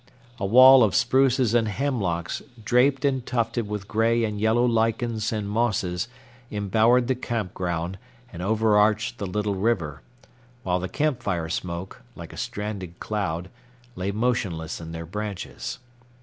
A wall of spruces and hemlocks draped and tufted with gray and yellow lichens and mosses embowered the campground and overarched the little river, while the camp fire smoke, like a stranded cloud, lay motionless in their branches.